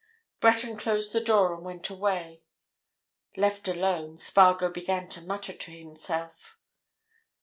Breton closed the door and went away: left alone, Spargo began to mutter to himself.